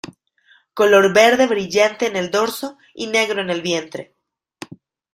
Color verde brillante en el dorso y negro en el vientre.